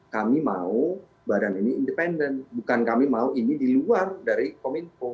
kami mau badan ini independen bukan kami mau ini di luar dari kominfo